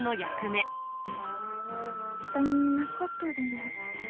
どんなことでも。